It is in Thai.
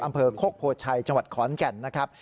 อำเภอโคกโพชัยจขอนแก่นนะครับ